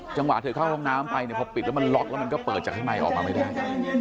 จังหวะเธอเข้าห้องน้ำไปเนี่ยพอปิดแล้วมันล็อกแล้วมันก็เปิดจากข้างในออกมาไม่ได้